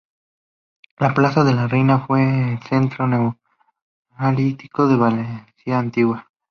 La plaza de la Reina fue el centro neurálgico de la Valencia antigua.